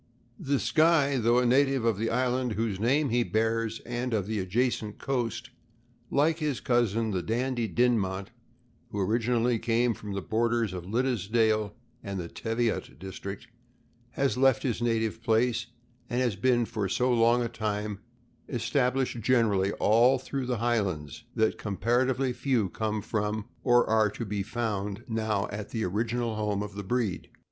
The Skye, though a native of the island whose name he bears, and of the adjacent coast, like his cousin the Dandie Din mont, who originally came from the borders of Liddesdale and the Teviot district, has left his native place, and has been for so long a time established generally all through the Highlands that comparatively few come from or ?ire to be found now at the original home of the breed.